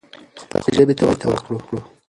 خپلې ژبې ته وخت ورکړو.